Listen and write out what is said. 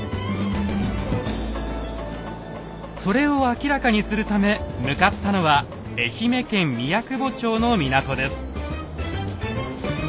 それを明らかにするため向かったのは愛媛県宮窪町の港です。